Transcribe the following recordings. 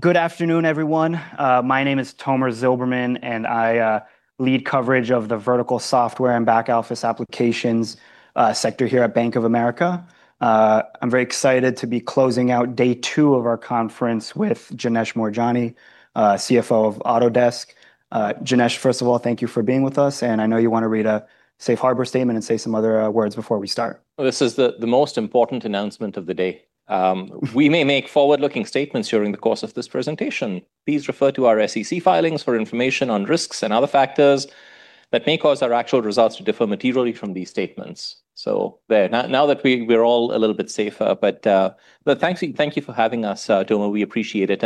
Good afternoon, everyone. My name is Tomer Zilberman, I lead coverage of the Vertical Software and Back Office Applications sector here at Bank of America. I'm very excited to be closing out day two of our conference with Janesh Moorjani, CFO of Autodesk. Janesh, first of all, thank you for being with us, I know you want to read a safe harbor statement and say some other words before we start. This is the most important announcement of the day. We may make forward-looking statements during the course of this presentation. Please refer to our SEC filings for information on risks and other factors that may cause our actual results to differ materially from these statements. There. Now that we're all a little bit safer. Thank you for having us, Tomer, we appreciate it.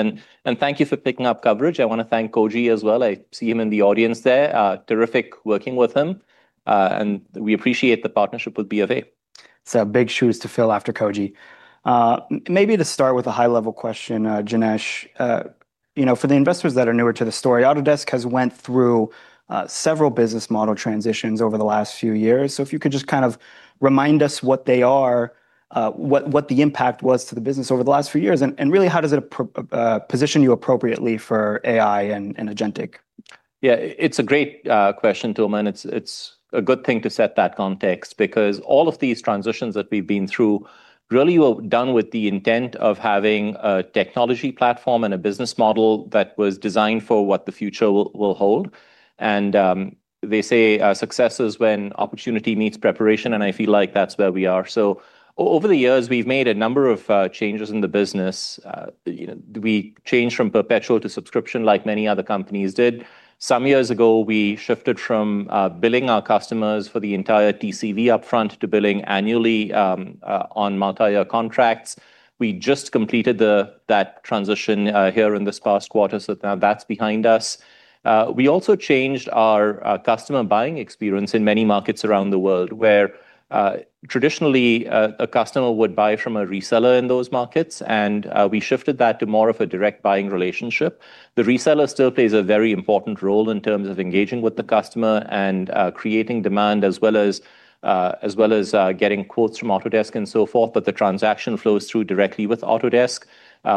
Thank you for picking up coverage. I want to thank Koji as well. I see him in the audience there. Terrific working with him. We appreciate the partnership with BofA. Some big shoes to fill after Koji. Maybe to start with a high-level question, Janesh. For the investors that are newer to the story, Autodesk has went through several business model transitions over the last few years. If you could just kind of remind us what they are, what the impact was to the business over the last few years, and really how does it position you appropriately for AI and agentic? It's a great question, Tomer. It's a good thing to set that context all of these transitions that we've been through really were done with the intent of having a technology platform and a business model that was designed for what the future will hold. They say success is when opportunity meets preparation, and I feel like that's where we are. Over the years, we've made a number of changes in the business. We changed from perpetual to subscription, like many other companies did. Some years ago, we shifted from billing our customers for the entire TCV up front to billing annually on multi-year contracts. We just completed that transition here in this past quarter, now that's behind us. We also changed our customer buying experience in many markets around the world, where traditionally a customer would buy from a reseller in those markets, and we shifted that to more of a direct buying relationship. The reseller still plays a very important role in terms of engaging with the customer and creating demand as well as getting quotes from Autodesk and so forth. The transaction flows through directly with Autodesk,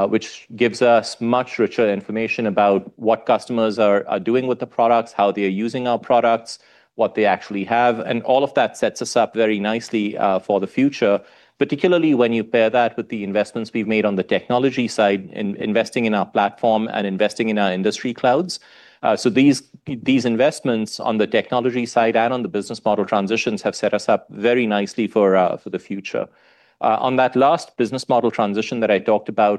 which gives us much richer information about what customers are doing with the products, how they are using our products, what they actually have, and all of that sets us up very nicely for the future, particularly when you pair that with the investments we've made on the technology side in investing in our platform and investing in our industry clouds. These investments on the technology side and on the business model transitions have set us up very nicely for the future. On that last business model transition that I talked about,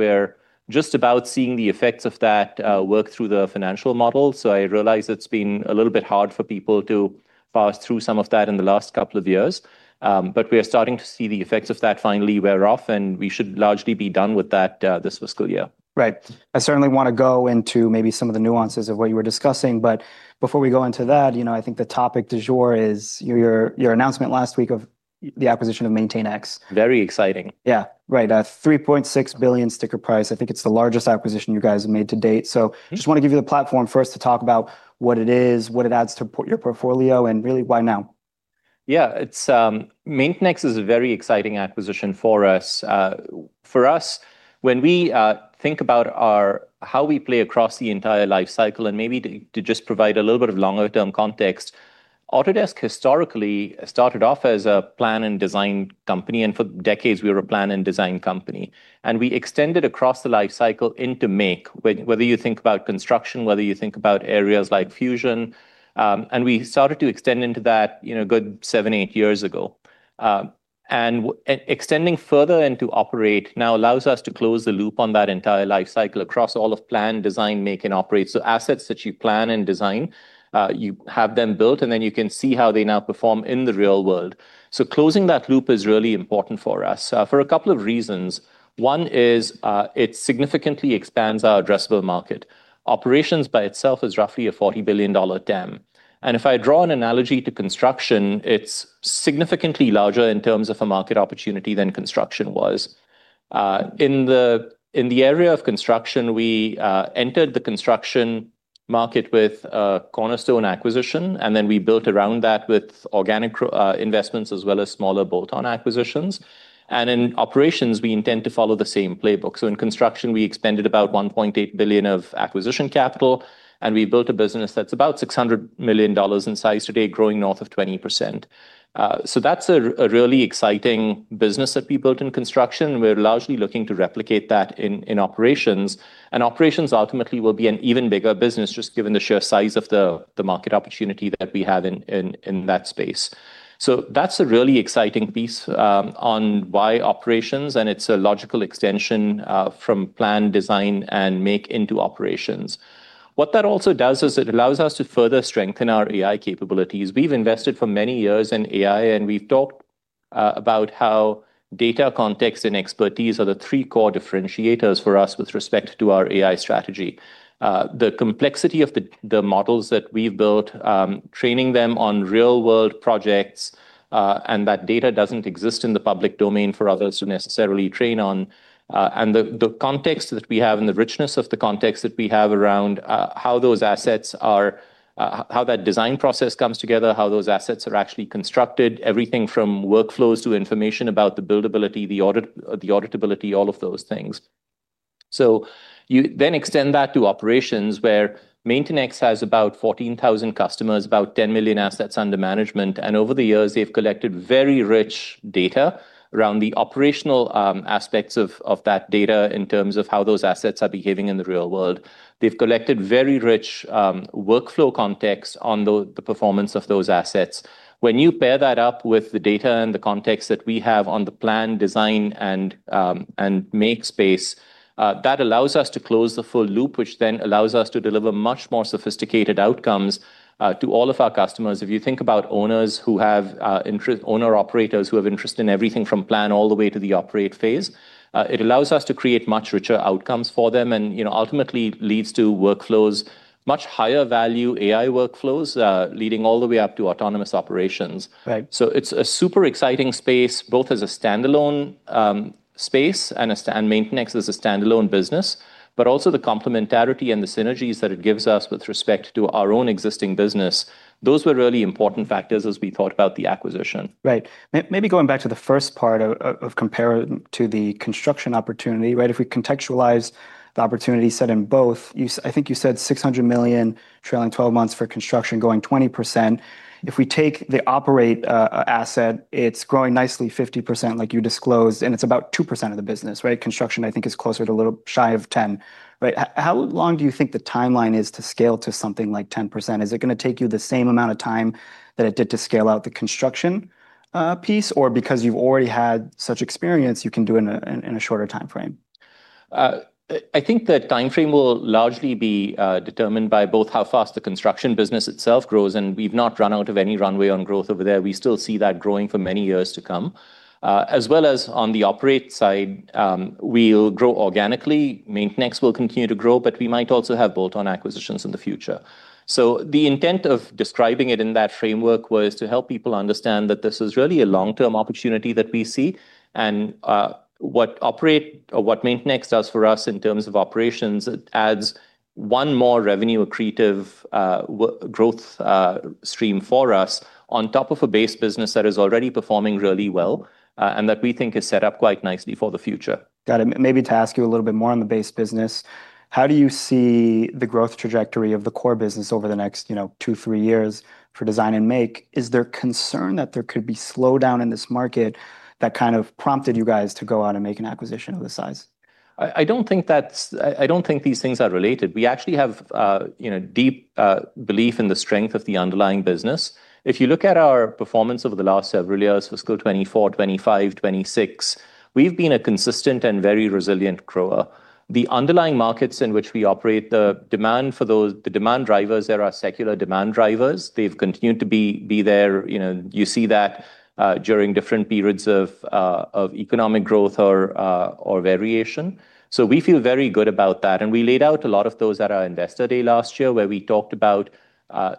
we're just about seeing the effects of that work through the financial model. I realize it's been a little bit hard for people to follow through some of that in the last couple of years. We are starting to see the effects of that finally wear off, and we should largely be done with that this fiscal year. Right. I certainly want to go into maybe some of the nuances of what you were discussing, but before we go into that, I think the topic du jour is your announcement last week of the acquisition of MaintainX. Very exciting. Yeah. Right. A $3.6 billion sticker price. I think it's the largest acquisition you guys have made to date. Just want to give you the platform first to talk about what it is, what it adds to your portfolio, and really why now. Yeah. MaintainX is a very exciting acquisition for us. For us, when we think about how we play across the entire life cycle and maybe to just provide a little bit of longer-term context, Autodesk historically started off as a plan and design company. For decades we were a plan and design company. We extended across the life cycle into make, whether you think about construction, whether you think about areas like Fusion, and we started to extend into that a good seven, eight years ago. Extending further into operate now allows us to close the loop on that entire life cycle across all of plan, design, make, and operate. Assets that you plan and design, you have them built, and then you can see how they now perform in the real world. Closing that loop is really important for us for two reasons. One is, it significantly expands our addressable market. Operations by itself is roughly a $40 billion TAM. If I draw an analogy to construction, it's significantly larger in terms of a market opportunity than construction was. In the area of construction, we entered the construction market with cornerstone acquisition, and then we built around that with organic investments as well as smaller bolt-on acquisitions. In operations, we intend to follow the same playbook. In construction, we expended about $1.8 billion of acquisition capital, and we built a business that's about $600 million in size today, growing north of 20%. That's a really exciting business that we built in construction. We're largely looking to replicate that in operations, and operations ultimately will be an even bigger business, just given the sheer size of the market opportunity that we have in that space. That's a really exciting piece on why operations, and it's a logical extension from plan, design, and make into operations. What that also does is it allows us to further strengthen our AI capabilities. We've invested for many years in AI, and we've talked about how data context and expertise are the three core differentiators for us with respect to our AI strategy. The complexity of the models that we've built, training them on real-world projects, and that data doesn't exist in the public domain for others to necessarily train on. The context that we have and the richness of the context that we have around how that design process comes together, how those assets are actually constructed, everything from workflows to information about the buildability, the auditability, all of those things. You then extend that to operations where MaintainX has about 14,000 customers, about 10 million assets under management, and over the years, they've collected very rich data around the operational aspects of that data in terms of how those assets are behaving in the real world. They've collected very rich workflow context on the performance of those assets. When you pair that up with the data and the context that we have on the plan, design, and make space, that allows us to close the full loop, which then allows us to deliver much more sophisticated outcomes to all of our customers. If you think about owner operators who have interest in everything from plan all the way to the operate phase, it allows us to create much richer outcomes for them, and ultimately leads to workflows, much higher value AI workflows, leading all the way up to autonomous operations. Right. It's a super exciting space, both as a standalone space and MaintainX as a standalone business, but also the complementarity and the synergies that it gives us with respect to our own existing business. Those were really important factors as we thought about the acquisition. Right. Maybe going back to the first part of comparing to the construction opportunity, right? If we contextualize the opportunity set in both, I think you said $600 million trailing 12 months for construction, growing 20%. If we take the operate asset, it's growing nicely 50%, like you disclosed, and it's about 2% of the business, right? Construction, I think, is closer to a little shy of 10%, right? How long do you think the timeline is to scale to something like 10%? Is it going to take you the same amount of time that it did to scale out the construction piece? Or because you've already had such experience, you can do it in a shorter timeframe? I think the timeframe will largely be determined by both how fast the construction business itself grows, and we've not run out of any runway on growth over there. We still see that growing for many years to come. As well as on the operate side, we'll grow organically. MaintainX will continue to grow, but we might also have bolt-on acquisitions in the future. The intent of describing it in that framework was to help people understand that this is really a long-term opportunity that we see, and what MaintainX does for us in terms of operations, it adds one more revenue accretive growth stream for us on top of a base business that is already performing really well, and that we think is set up quite nicely for the future. Got it. Maybe to ask you a little bit more on the base business, how do you see the growth trajectory of the core business over the next two, three years for Design and Make? Is there concern that there could be slowdown in this market that kind of prompted you guys to go out and make an acquisition of this size? I don't think these things are related. We actually have deep belief in the strength of the underlying business. If you look at our performance over the last several years, fiscal 2024, 2025, 2026, we've been a consistent and very resilient grower. The underlying markets in which we operate, the demand drivers there are secular demand drivers. They've continued to be there. You see that during different periods of economic growth or variation. We feel very good about that, and we laid out a lot of those at our Investor Day last year, where we talked about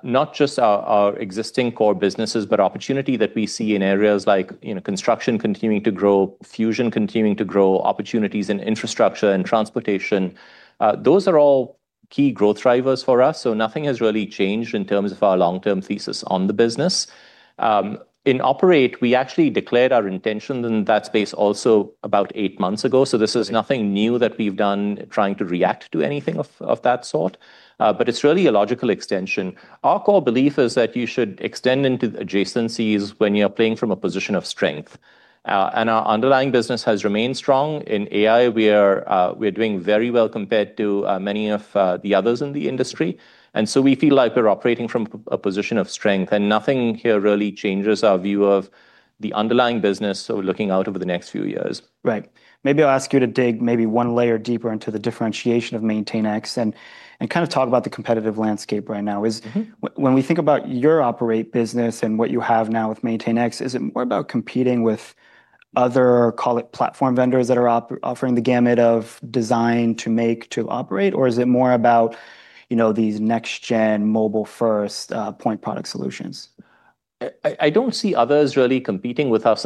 not just our existing core businesses, but opportunity that we see in areas like construction continuing to grow, Fusion continuing to grow, opportunities in infrastructure and transportation. Those are all key growth drivers for us, nothing has really changed in terms of our long-term thesis on the business. In operate, we actually declared our intentions in that space also about eight months ago. This is nothing new that we've done trying to react to anything of that sort. It's really a logical extension. Our core belief is that you should extend into adjacencies when you're playing from a position of strength. Our underlying business has remained strong. In AI, we're doing very well compared to many of the others in the industry, and so we feel like we're operating from a position of strength, and nothing here really changes our view of the underlying business, so we're looking out over the next few years. Right. Maybe I'll ask you to dig maybe one layer deeper into the differentiation of MaintainX, and kind of talk about the competitive landscape right now. When we think about your operate business and what you have now with MaintainX, is it more about competing with other, call it platform vendors that are offering the gamut of design to make to operate, or is it more about these next gen, mobile first point product solutions? I don't see others really competing with us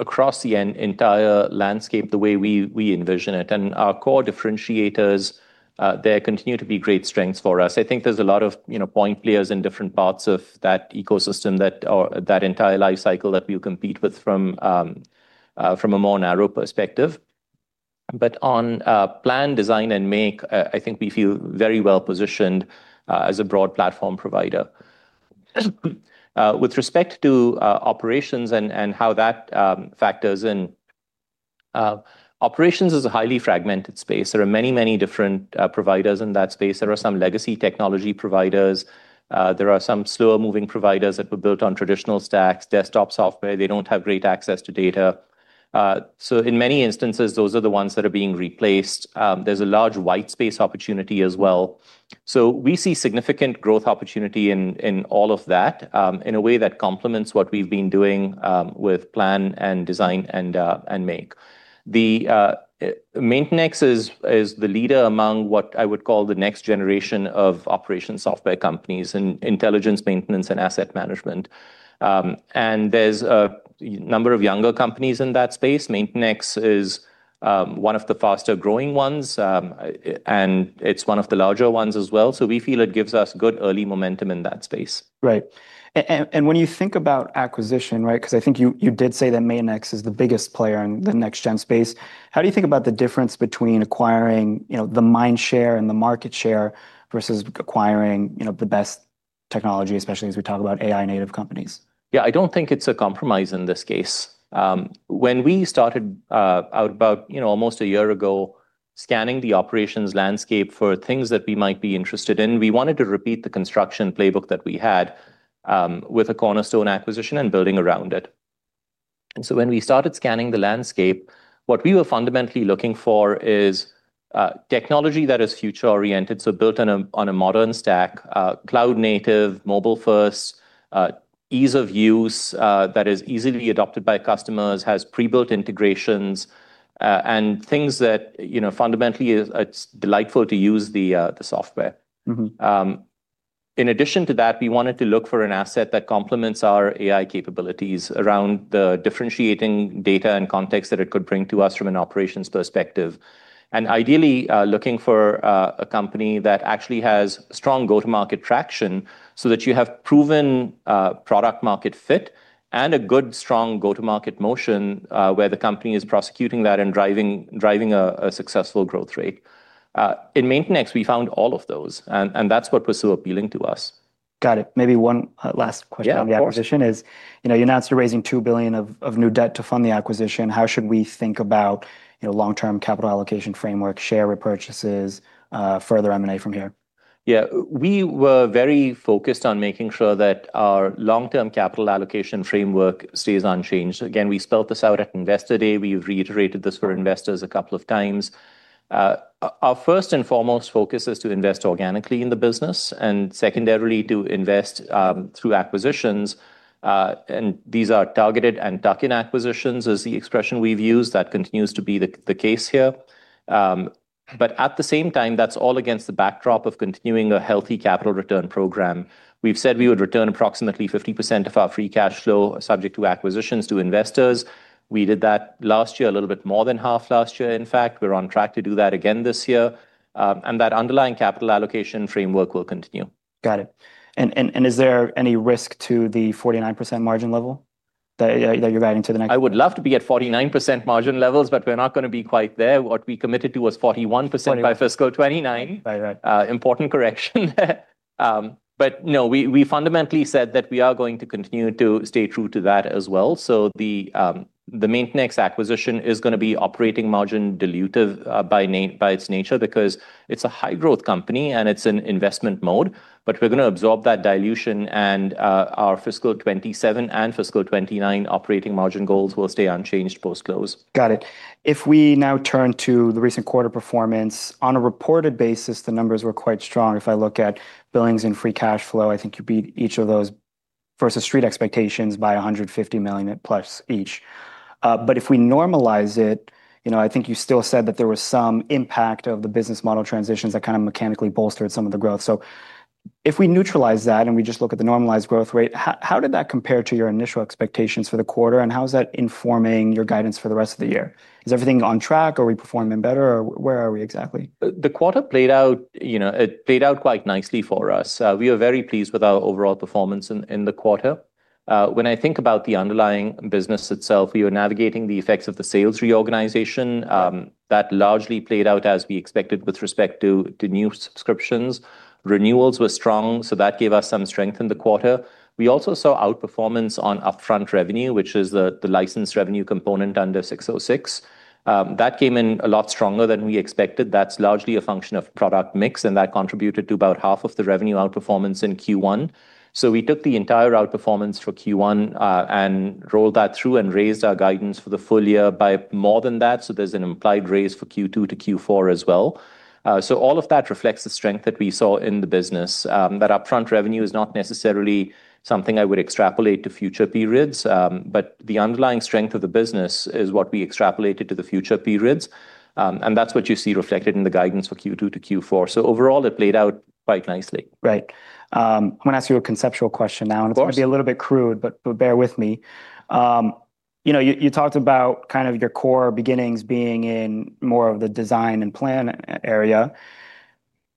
across the entire landscape the way we envision it, and our core differentiators there continue to be great strengths for us. I think there's a lot of point players in different parts of that ecosystem or that entire life cycle that we compete with from a more narrow perspective. On plan, Design, and Make, I think we feel very well positioned as a broad platform provider. With respect to operations and how that factors in, operations is a highly fragmented space. There are many, many different providers in that space. There are some legacy technology providers. There are some slower moving providers that were built on traditional stacks, desktop software. They don't have great access to data. In many instances, those are the ones that are being replaced. There's a large white space opportunity as well. We see significant growth opportunity in all of that, in a way that complements what we've been doing with plan and design and make. MaintainX is the leader among what I would call the next generation of operation software companies in intelligence maintenance and asset management. There's a number of younger companies in that space. MaintainX is one of the faster-growing ones, and it's one of the larger ones as well. We feel it gives us good early momentum in that space. Right. When you think about acquisition, right, because I think you did say that MaintainX is the biggest player in the next gen space. How do you think about the difference between acquiring the mind share and the market share versus acquiring the best technology, especially as we talk about AI-native companies. Yeah, I don't think it's a compromise in this case. When we started out about almost a year ago, scanning the operations landscape for things that we might be interested in, we wanted to repeat the construction playbook that we had with a cornerstone acquisition and building around it. When we started scanning the landscape, what we were fundamentally looking for is technology that is future-oriented, so built on a modern stack, cloud-native, mobile-first, ease of use, that is easily adopted by customers, has pre-built integrations, and things that fundamentally it's delightful to use the software. In addition to that, we wanted to look for an asset that complements our AI capabilities around the differentiating data and context that it could bring to us from an operations perspective. Ideally, looking for a company that actually has strong go-to-market traction so that you have proven product-market fit and a good, strong go-to-market motion, where the company is prosecuting that and driving a successful growth rate. In MaintainX, we found all of those, and that's what was so appealing to us. Got it. Maybe one last question— Yeah, of course. —on the acquisition is, you announced you're raising $2 billion of new debt to fund the acquisition. How should we think about long-term capital allocation framework, share repurchases, further M&A from here? Yeah. We were very focused on making sure that our long-term capital allocation framework stays unchanged. We spelled this out at Investor Day. We've reiterated this for investors a couple of times. Our first and foremost focus is to invest organically in the business, and secondarily, to invest through acquisitions. These are targeted and tuck-in acquisitions is the expression we've used. That continues to be the case here. At the same time, that's all against the backdrop of continuing a healthy capital return program. We've said we would return approximately 50% of our free cash flow subject to acquisitions to investors. We did that last year, a little bit more than half last year, in fact. We're on track to do that again this year. That underlying capital allocation framework will continue. Got it. Is there any risk to the 49% margin level that you're guiding to the next? I would love to be at 49% margin levels, but we're not going to be quite there. What we committed to was 41%— 41%. by fiscal 2029. By 2029. Important correction. No, we fundamentally said that we are going to continue to stay true to that as well. The MaintainX acquisition is going to be operating margin dilutive by its nature because it's a high-growth company, and it's in investment mode. We're going to absorb that dilution and our fiscal 2027 and fiscal 2029 operating margin goals will stay unchanged post-close. Got it. If we now turn to the recent quarter performance. On a reported basis, the numbers were quite strong. If I look at billings and free cash flow, I think you beat each of those versus street expectations by $150+ million each. If we normalize it, I think you still said that there was some impact of the business model transitions that kind of mechanically bolstered some of the growth. If we neutralize that, and we just look at the normalized growth rate, how did that compare to your initial expectations for the quarter, and how is that informing your guidance for the rest of the year? Is everything on track, are we performing better, or where are we exactly? The quarter played out quite nicely for us. We are very pleased with our overall performance in the quarter. When I think about the underlying business itself, we were navigating the effects of the sales reorganization. That largely played out as we expected with respect to the new subscriptions. Renewals were strong, so that gave us some strength in the quarter. We also saw outperformance on upfront revenue, which is the license revenue component under ASC 606. That came in a lot stronger than we expected. That's largely a function of product mix, and that contributed to about half of the revenue outperformance in Q1. We took the entire outperformance for Q1 and rolled that through and raised our guidance for the full year by more than that, so there's an implied raise for Q2 to Q4 as well. All of that reflects the strength that we saw in the business. That upfront revenue is not necessarily something I would extrapolate to future periods. The underlying strength of the business is what we extrapolated to the future periods, and that's what you see reflected in the guidance for Q2 to Q4. Overall, it played out quite nicely. Right. I'm going to ask you a conceptual question now. Of course. It's going to be a little bit crude, but bear with me. You talked about kind of your core beginnings being in more of the design and plan area.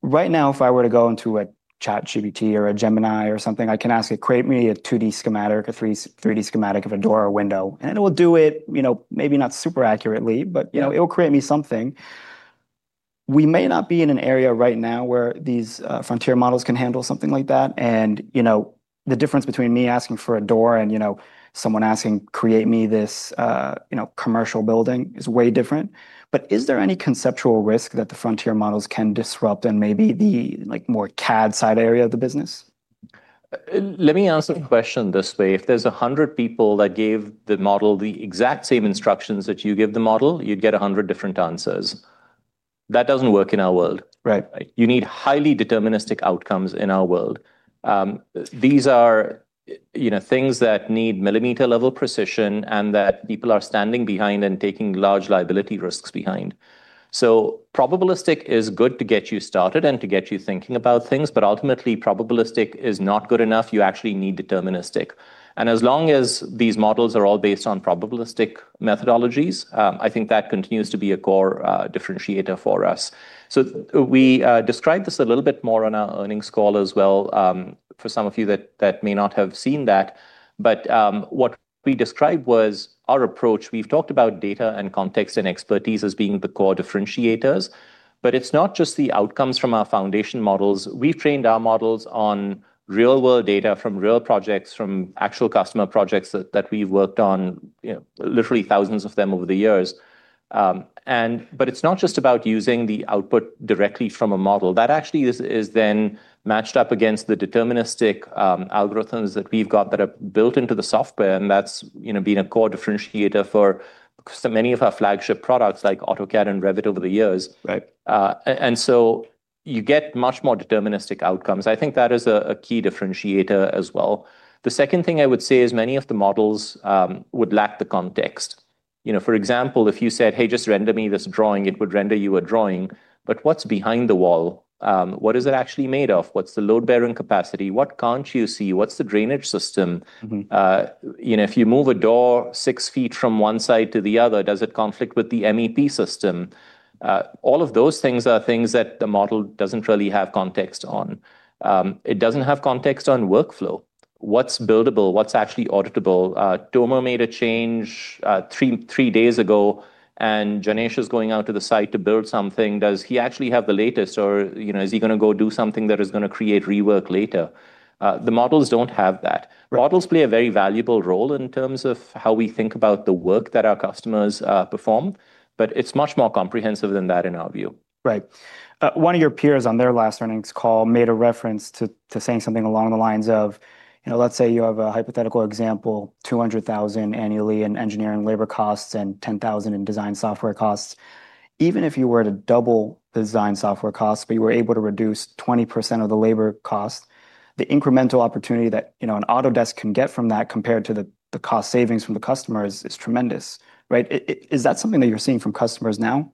Right now, if I were to go into a ChatGPT or a Gemini or something, I can ask it, "Create me a 2D schematic or 3D schematic of a door or window." It will do it, maybe not super accurately, but it will create me something. We may not be in an area right now where these frontier models can handle something like that, the difference between me asking for a door and someone asking, "Create me this commercial building" is way different. Is there any conceptual risk that the frontier models can disrupt in maybe the more CAD side area of the business? Let me answer the question this way. If there's 100 people that gave the model the exact same instructions that you give the model, you'd get 100 different answers. That doesn't work in our world. Right. You need highly deterministic outcomes in our world. These are things that need millimeter-level precision, and that people are standing behind and taking large liability risks behind. Probabilistic is good to get you started and to get you thinking about things, but ultimately, probabilistic is not good enough. You actually need deterministic. As long as these models are all based on probabilistic methodologies, I think that continues to be a core differentiator for us. We described this a little bit more on our earnings call as well, for some of you that may not have seen that. What we described was our approach. We've talked about data and context and expertise as being the core differentiators. It's not just the outcomes from our foundation models. We've trained our models on real-world data from real projects, from actual customer projects that we've worked on, literally thousands of them over the years. It's not just about using the output directly from a model. That actually is then matched up against the deterministic algorithms that we've got that are built into the software. That's been a core differentiator for so many of our flagship products like AutoCAD and Revit over the years. Right. You get much more deterministic outcomes. I think that is a key differentiator as well. The second thing I would say is many of the models would lack the context. For example, if you said, "Hey, just render me this drawing," it would render you a drawing, but what's behind the wall? What is it actually made of? What's the load-bearing capacity? What can't you see? What's the drainage system? If you move a door 6 ft from one side to the other, does it conflict with the MEP system? All of those things are things that the model doesn't really have context on. It doesn't have context on workflow. What's buildable? What's actually auditable? Tomer made a change three days ago, and Janesh is going out to the site to build something. Does he actually have the latest, or is he going to go do something that is going to create rework later? The models don't have that. Right. Models play a very valuable role in terms of how we think about the work that our customers perform, but it's much more comprehensive than that in our view. Right. One of your peers on their last earnings call made a reference to saying something along the lines of, let's say you have a hypothetical example, $200,000 annually in engineering labor costs and $10,000 in design software costs. Even if you were to double design software costs, but you were able to reduce 20% of the labor cost, the incremental opportunity that an Autodesk can get from that compared to the cost savings from the customer is tremendous. Right? Is that something that you're seeing from customers now?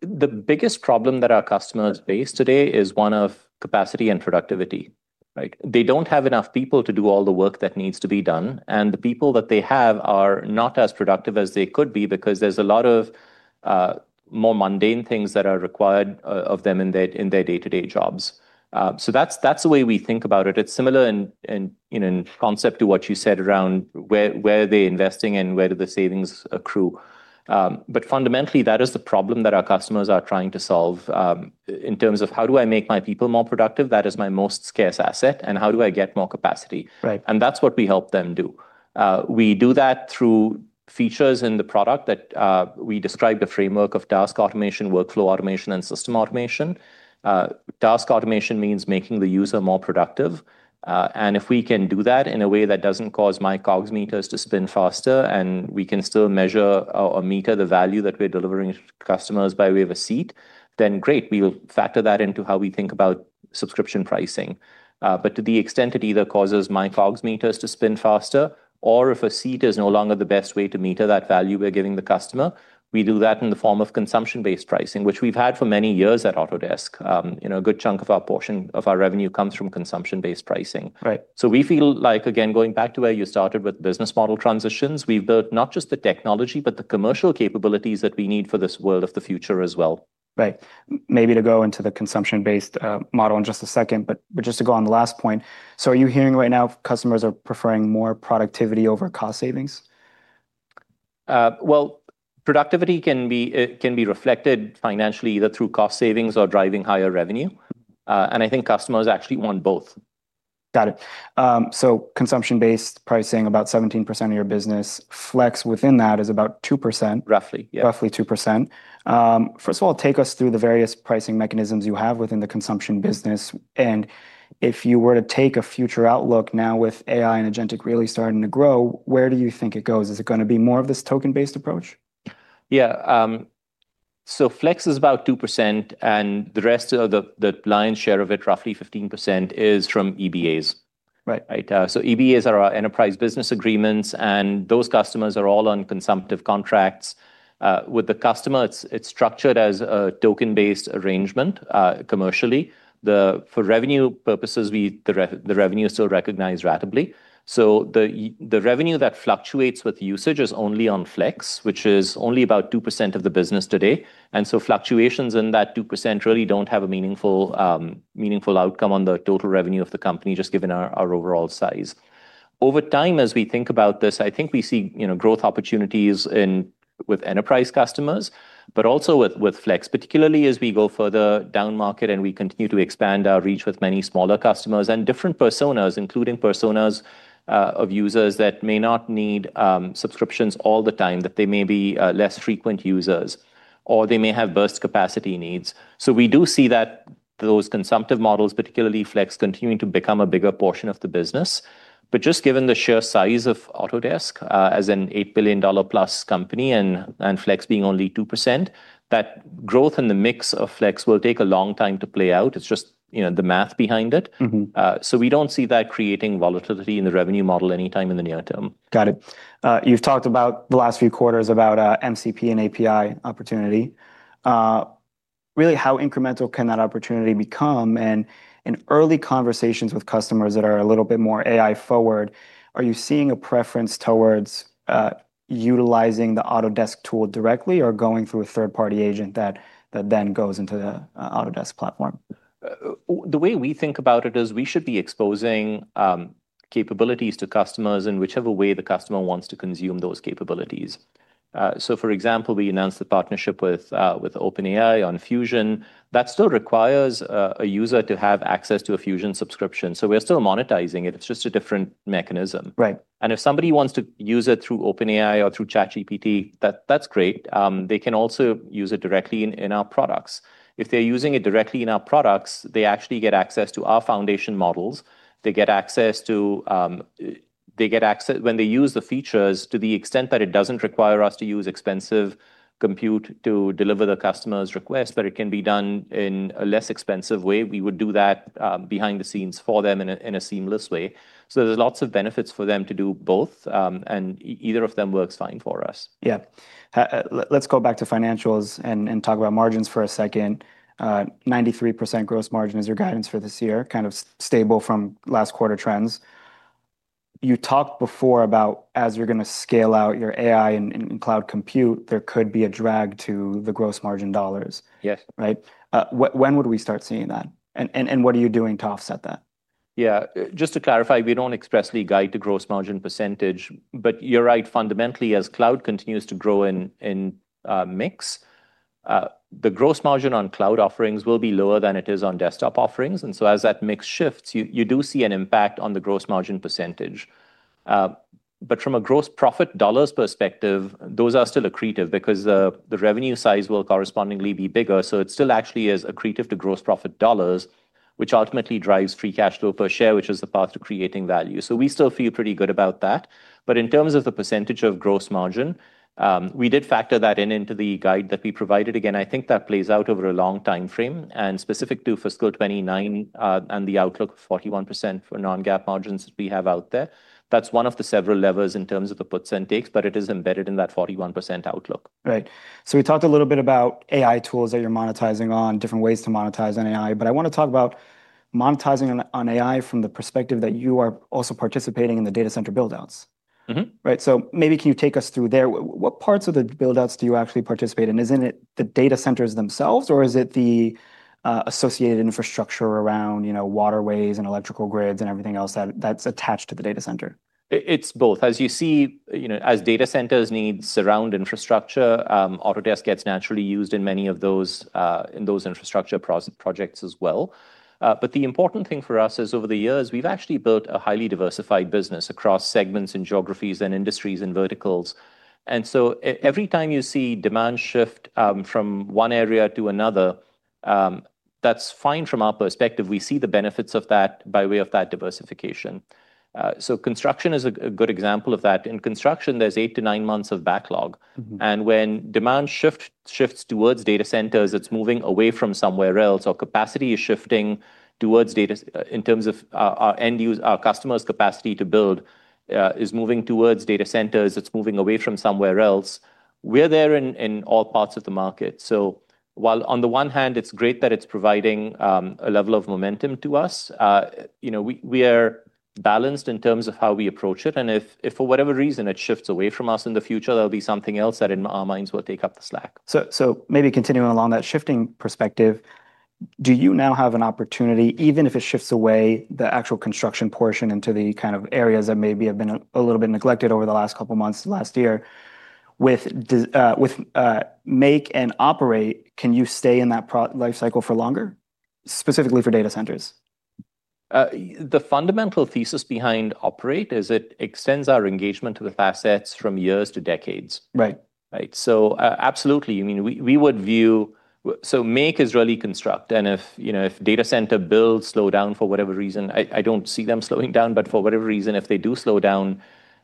The biggest problem that our customers face today is one of capacity and productivity. Right? They don't have enough people to do all the work that needs to be done, and the people that they have are not as productive as they could be because there's a lot of more mundane things that are required of them in their day-to-day jobs. That's the way we think about it. It's similar in concept to what you said around where are they investing and where do the savings accrue. Fundamentally, that is the problem that our customers are trying to solve in terms of how do I make my people more productive, that is my most scarce asset, and how do I get more capacity? Right. That's what we help them do. We do that through features in the product that we describe the framework of task automation, workflow automation, and system automation. Task automation means making the user more productive. If we can do that in a way that doesn't cause my COGS meters to spin faster, and we can still measure or meter the value that we're delivering to customers by way of a seat, then great. We will factor that into how we think about subscription pricing. To the extent it either causes my COGS meters to spin faster or if a seat is no longer the best way to meter that value we're giving the customer, we do that in the form of consumption-based pricing, which we've had for many years at Autodesk. A good chunk of our portion of our revenue comes from consumption-based pricing. Right. We feel like, again, going back to where you started with business model transitions, we've built not just the technology, but the commercial capabilities that we need for this world of the future as well. Right. Maybe to go into the consumption-based model in just a second, but just to go on the last point, are you hearing right now customers are preferring more productivity over cost savings? Well, productivity can be reflected financially, either through cost savings or driving higher revenue. I think customers actually want both. Got it. Consumption-based pricing, about 17% of your business. Flex within that is about 2%. Roughly, yeah. Roughly 2%. First of all, take us through the various pricing mechanisms you have within the consumption business, and if you were to take a future outlook now with AI and agentic really starting to grow, where do you think it goes? Is it going to be more of this token-based approach? Yeah. Flex is about 2%, and the rest of the lion's share of it, roughly 15%, is from EBAs. Right. Right. EBAs are our enterprise business agreements, and those customers are all on consumptive contracts. With the customer, it's structured as a token-based arrangement commercially. For revenue purposes, the revenue is still recognized ratably. The revenue that fluctuates with usage is only on Flex, which is only about 2% of the business today, fluctuations in that 2% really don't have a meaningful outcome on the total revenue of the company, just given our overall size. Over time, as we think about this, I think we see growth opportunities with enterprise customers, but also with Flex, particularly as we go further down market and we continue to expand our reach with many smaller customers and different personas, including personas of users that may not need subscriptions all the time, that they may be less frequent users, or they may have burst capacity needs. We do see that those consumptive models, particularly Flex, continuing to become a bigger portion of the business. Just given the sheer size of Autodesk as an $8+ billion company and Flex being only 2%, that growth in the mix of Flex will take a long time to play out. It's just the math behind it. We don't see that creating volatility in the revenue model anytime in the near term. Got it. You've talked about the last few quarters about MCP and API opportunity. Really how incremental can that opportunity become? In early conversations with customers that are a little bit more AI forward, are you seeing a preference towards utilizing the Autodesk tool directly or going through a third-party agent that then goes into the Autodesk platform? The way we think about it is we should be exposing capabilities to customers in whichever way the customer wants to consume those capabilities. For example, we announced the partnership with OpenAI on Fusion. That still requires a user to have access to a Fusion subscription, so we are still monetizing it. It's just a different mechanism. Right. If somebody wants to use it through OpenAI or through ChatGPT, that's great. They can also use it directly in our products. If they're using it directly in our products, they actually get access to our foundation models. When they use the features, to the extent that it doesn't require us to use expensive compute to deliver the customer's request, but it can be done in a less expensive way, we would do that behind the scenes for them in a seamless way. There's lots of benefits for them to do both, and either of them works fine for us. Yeah. Let's go back to financials and talk about margins for a second. 93% gross margin is your guidance for this year, kind of stable from last quarter trends. You talked before about as you're going to scale out your AI and cloud compute, there could be a drag to the gross margin dollars. Yes. Right? When would we start seeing that, and what are you doing to offset that? Just to clarify, we don't expressly guide to gross margin percentage. You're right. Fundamentally, as cloud continues to grow in mix, the gross margin on cloud offerings will be lower than it is on desktop offerings. As that mix shifts, you do see an impact on the gross margin percentage. From a gross profit dollars perspective, those are still accretive because the revenue size will correspondingly be bigger. It still actually is accretive to gross profit dollars, which ultimately drives free cash flow per share, which is the path to creating value. We still feel pretty good about that. In terms of the percentage of gross margin, we did factor that in into the guide that we provided. I think that plays out over a long timeframe, and specific to fiscal 2029, and the outlook of 41% for non-GAAP margins that we have out there. That's one of the several levers in terms of the puts and takes, but it is embedded in that 41% outlook. Right. We talked a little bit about AI tools that you're monetizing on, different ways to monetize on AI, but I want to talk about monetizing on AI from the perspective that you are also participating in the data center build-outs. Right? Maybe, can you take us through there? What parts of the build-outs do you actually participate in? Isn't it the data centers themselves, or is it the associated infrastructure around waterways and electrical grids and everything else that's attached to the data center? It's both. As you see, as data centers needs surround infrastructure, Autodesk gets naturally used in those infrastructure projects as well. The important thing for us is over the years, we've actually built a highly diversified business across segments and geographies and industries and verticals. Every time you see demand shift from one area to another, that's fine from our perspective. We see the benefits of that by way of that diversification. Construction is a good example of that. In construction, there's eight to nine months of backlog. When demand shifts towards data centers, it's moving away from somewhere else, or capacity is shifting towards data in terms of our customers' capacity to build is moving towards data centers, it's moving away from somewhere else. We're there in all parts of the market. While on the one hand, it's great that it's providing a level of momentum to us. We are balanced in terms of how we approach it, and if for whatever reason it shifts away from us in the future, there'll be something else that in our minds will take up the slack. Maybe continuing along that shifting perspective, do you now have an opportunity, even if it shifts away the actual construction portion into the kind of areas that maybe have been a little bit neglected over the last couple of months, last year, with make and operate, can you stay in that lifecycle for longer? Specifically for data centers. The fundamental thesis behind operate is it extends our engagement to the facets from years to decades. Right. Right. Absolutely. Make is really construct, and if data center builds slow down for whatever reason, I don't see them slowing down, but for whatever reason, if they do slow down,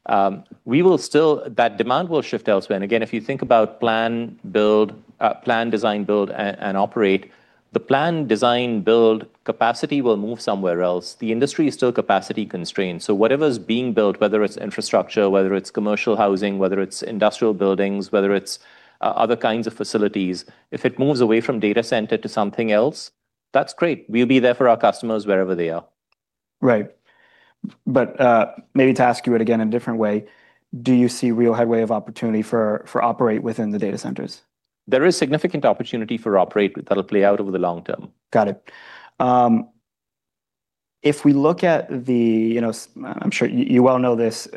that demand will shift elsewhere. Again, if you think about plan, design, build, and operate, the plan, design, build capacity will move somewhere else. The industry is still capacity constrained. Whatever's being built, whether it's infrastructure, whether it's commercial housing, whether it's industrial buildings, whether it's other kinds of facilities, if it moves away from data center to something else, that's great. We'll be there for our customers wherever they are. Right. Maybe to ask you it again a different way, do you see real headway of opportunity for operate within the data centers? There is significant opportunity for Autodesk that'll play out over the long term. Got it. If we look at the I'm sure you well know this,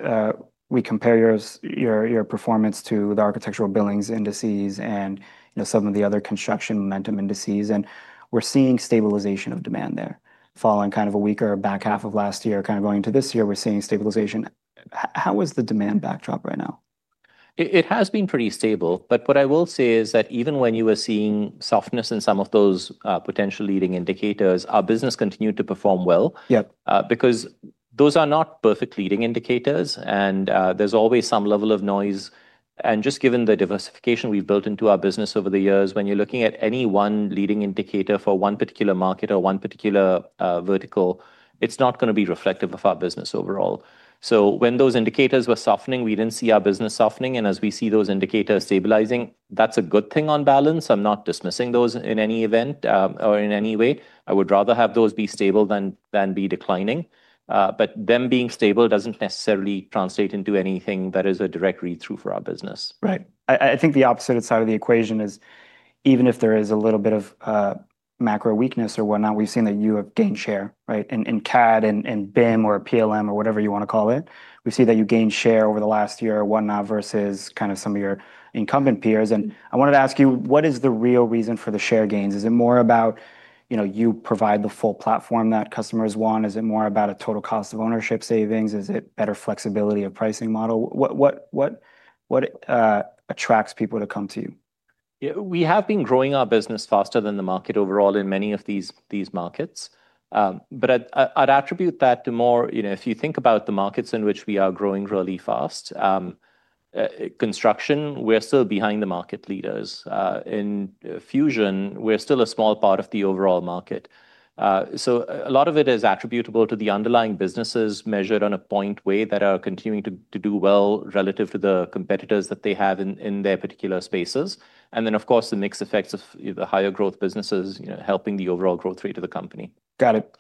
we compare your performance to the architectural billings indices and some of the other construction momentum indices, and we're seeing stabilization of demand there. Following kind of a weaker back half of last year, kind of going to this year, we're seeing stabilization. How is the demand backdrop right now? It has been pretty stable, but what I will say is that even when you were seeing softness in some of those potential leading indicators, our business continued to perform well. Yep. Those are not perfect leading indicators, and there's always some level of noise. Just given the diversification we've built into our business over the years, when you're looking at any one leading indicator for one particular market or one particular vertical, it's not going to be reflective of our business overall. When those indicators were softening, we didn't see our business softening, and as we see those indicators stabilizing, that's a good thing on balance. I'm not dismissing those in any event, or in any way. I would rather have those be stable than be declining. Them being stable doesn't necessarily translate into anything that is a direct read-through for our business. Right. I think the opposite side of the equation is even if there is a little bit of macro weakness or whatnot, we've seen that you have gained share, right? In CAD and BIM or PLM or whatever you want to call it, we see that you gained share over the last year or whatnot versus some of your incumbent peers. I wanted to ask you, what is the real reason for the share gains? Is it more about you provide the full platform that customers want? Is it more about a total cost of ownership savings? Is it better flexibility of pricing model? What attracts people to come to you? Yeah. We have been growing our business faster than the market overall in many of these markets. I'd attribute that to more, if you think about the markets in which we are growing really fast, construction, we're still behind the market leaders. In Fusion, we're still a small part of the overall market. A lot of it is attributable to the underlying businesses measured on a point way that are continuing to do well relative to the competitors that they have in their particular spaces. Of course, the mixed effects of the higher growth businesses helping the overall growth rate of the company. Got it.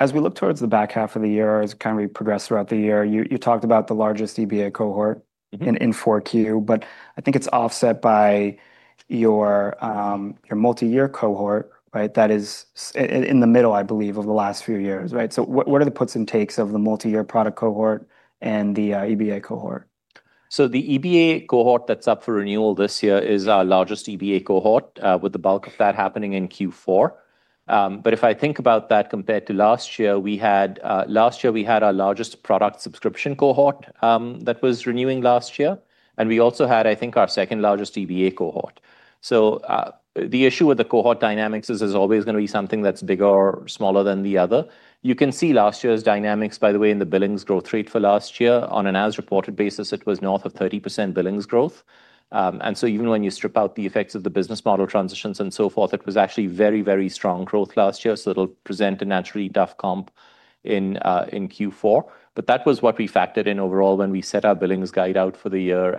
As we look towards the back half of the year, as we progress throughout the year, you talked about the largest EBA cohort in 4Q. I think it's offset by your multi-year cohort, right? That is in the middle, I believe, of the last few years, right? What are the puts and takes of the multi-year product cohort and the EBA cohort? The EBA cohort that's up for renewal this year is our largest EBA cohort, with the bulk of that happening in Q4. If I think about that compared to last year, last year we had our largest product subscription cohort, that was renewing last year, and we also had, I think, our second largest EBA cohort. The issue with the cohort dynamics is there's always going to be something that's bigger or smaller than the other. You can see last year's dynamics, by the way, in the billings growth rate for last year. On an as-reported basis, it was north of 30% billings growth. Even when you strip out the effects of the business model transitions and so forth, it was actually very, very strong growth last year, so it'll present a naturally tough comp in Q4. That was what we factored in overall when we set our billings guide out for the year.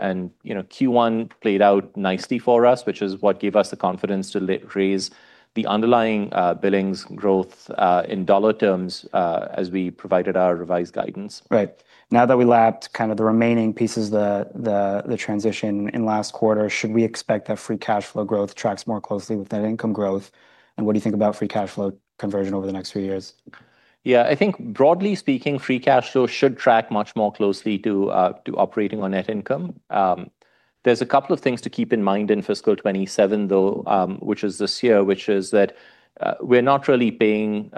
Q1 played out nicely for us, which is what gave us the confidence to raise the underlying billings growth, in dollar terms, as we provided our revised guidance. Right. Now that we lapped the remaining pieces, the transition in last quarter, should we expect that free cash flow growth tracks more closely with net income growth? What do you think about free cash flow conversion over the next few years? Yeah. I think broadly speaking, free cash flow should track much more closely to operating or net income. There's a couple of things to keep in mind in fiscal 2027, though, which is this year, which is that we're not really paying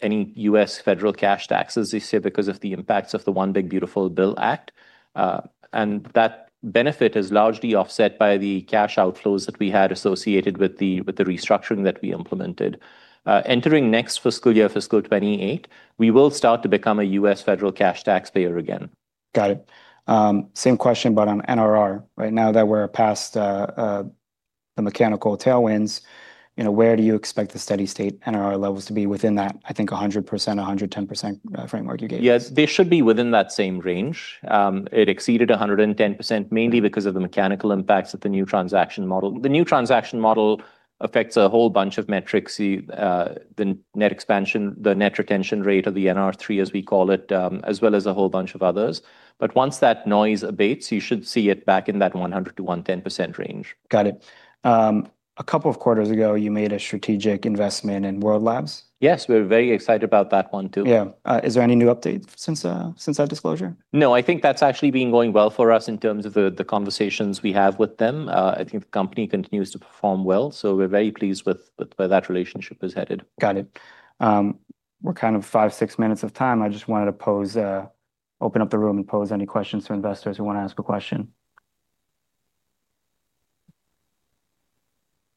any U.S. federal cash taxes this year because of the impacts of the One Big Beautiful Bill Act. That benefit is largely offset by the cash outflows that we had associated with the restructuring that we implemented. Entering next fiscal year, fiscal 2028, we will start to become a U.S. federal cash taxpayer again. Got it. Same question, but on NRR. Right now that we're past the mechanical tailwinds, where do you expect the steady state NRR levels to be within that, I think, 100%, 110% framework you gave? Yes. They should be within that same range. It exceeded 110%, mainly because of the mechanical impacts of the new transaction model. The new transaction model affects a whole bunch of metrics, the net expansion, the net retention rate, or the NR3 as we call it, as well as a whole bunch of others. Once that noise abates, you should see it back in that 100%-110% range. Got it. A couple of quarters ago, you made a strategic investment in World Labs. Yes, we're very excited about that one too. Yeah. Is there any new update since that disclosure? No, I think that's actually been going well for us in terms of the conversations we have with them. I think the company continues to perform well. We're very pleased with where that relationship is headed. Got it. We're kind of five, six minutes of time. I just wanted to open up the room and pose any questions to investors who want to ask a question.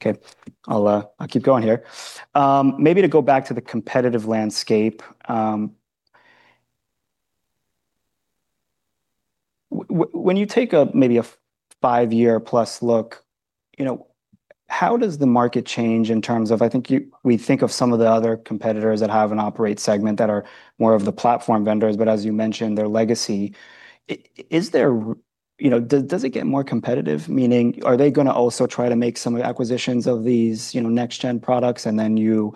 Okay, I'll keep going here. Maybe to go back to the competitive landscape, when you take maybe a 5+ year look, how does the market change in terms of, I think we think of some of the other competitors that have an operate segment that are more of the platform vendors, but as you mentioned, they're legacy. Does it get more competitive? Meaning, are they going to also try to make some acquisitions of these next gen products and then you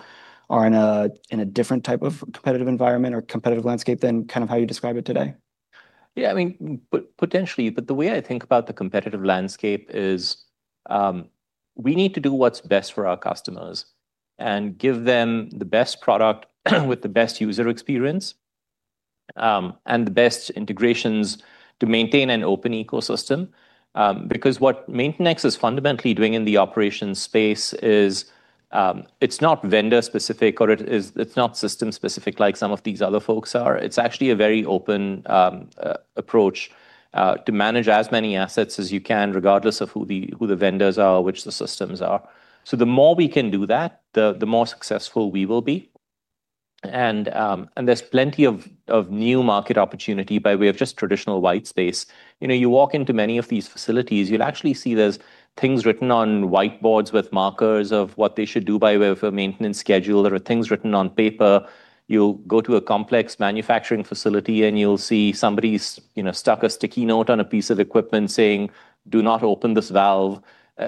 are in a different type of competitive environment or competitive landscape than how you describe it today? Potentially, the way I think about the competitive landscape is we need to do what's best for our customers and give them the best product with the best user experience, and the best integrations to maintain an open ecosystem. What MaintainX is fundamentally doing in the operations space is it's not vendor specific, or it's not system specific like some of these other folks are. It's actually a very open approach to manage as many assets as you can, regardless of who the vendors are or which the systems are. The more we can do that, the more successful we will be. There's plenty of new market opportunity by way of just traditional white space. You walk into many of these facilities, you'll actually see there's things written on whiteboards with markers of what they should do by way of a maintenance schedule. There are things written on paper. You'll go to a complex manufacturing facility, and you'll see somebody's stuck a sticky note on a piece of equipment saying, "Do not open this valve."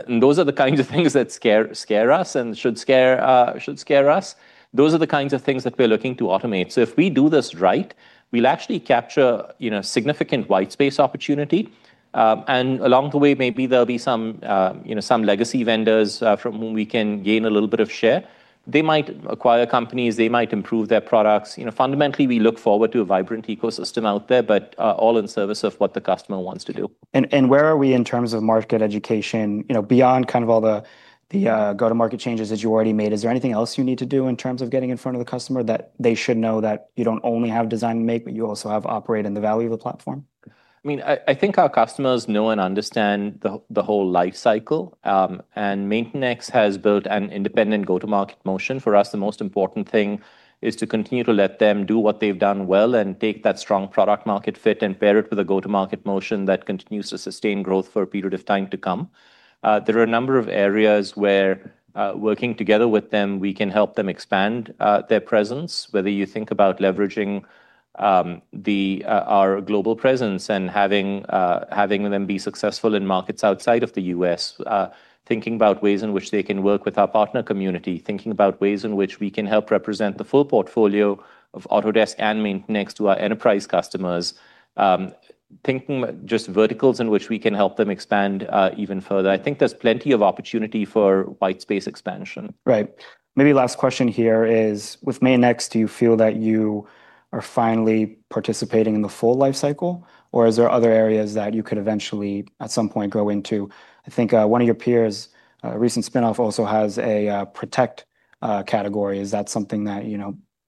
Those are the kinds of things that scare us and should scare us. Those are the kinds of things that we're looking to automate. If we do this right, we'll actually capture significant white space opportunity. Along the way, maybe there'll be some legacy vendors from whom we can gain a little bit of share. They might acquire companies, they might improve their products. Fundamentally, we look forward to a vibrant ecosystem out there, but all in service of what the customer wants to do. Where are we in terms of market education, beyond kind of all the go-to-market changes that you already made? Is there anything else you need to do in terms of getting in front of the customer that they should know that you don't only have Design and Make, but you also have operate and the value of the platform? I think our customers know and understand the whole life cycle. MaintainX has built an independent go-to-market motion. For us, the most important thing is to continue to let them do what they've done well and take that strong product market fit and pair it with a go-to-market motion that continues to sustain growth for a period of time to come. There are a number of areas where, working together with them, we can help them expand their presence. Whether you think about leveraging our global presence and having them be successful in markets outside of the U.S., thinking about ways in which they can work with our partner community, thinking about ways in which we can help represent the full portfolio of Autodesk and MaintainX to our enterprise customers, thinking just verticals in which we can help them expand even further. I think there's plenty of opportunity for white space expansion. Right. Maybe last question here is, with MaintainX, do you feel that you are finally participating in the full life cycle, or is there other areas that you could eventually, at some point, go into? I think one of your peers' recent spinoff also has a protect category. Is that something that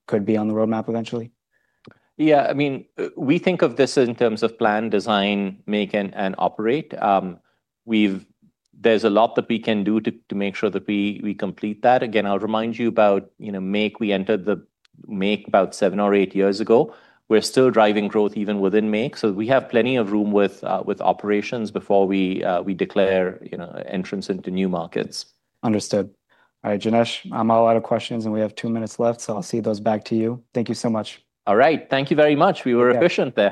could be on the roadmap eventually? Yeah. We think of this in terms of plan, design, make, and operate. There's a lot that we can do to make sure that we complete that. Again, I'll remind you about Make. We entered Make about seven or eight years ago. We're still driving growth even within Make, so we have plenty of room with operations before we declare entrance into new markets. Understood. All right, Janesh, I'm all out of questions. We have two minutes left. I'll cede those back to you. Thank you so much. All right. Thank you very much. We were efficient there.